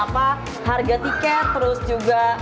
harga tiket terus juga